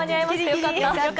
よかった。